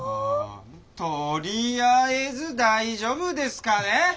とりあえず大丈夫ですかね。